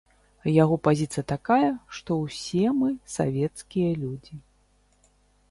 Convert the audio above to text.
Яго пазіцыя такая, што ўсе мы савецкія людзі.